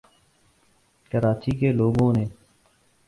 کراچی کے لوگوں نے